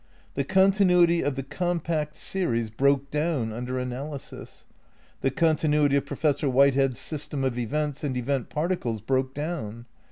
The continuity of the compact series broke down under analysis. The continuity of Profes sor Whitehead's system of events and event particles broke down.